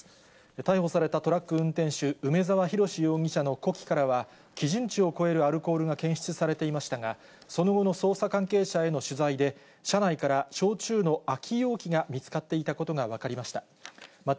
逮捕されたトラック運転手、梅沢洋容疑者の呼気からは、基準値を超えるアルコールが検出されていましたが、その後の捜査関係者への取材で、車内から焼酎の空き容器が見つかっていたことが分かりました。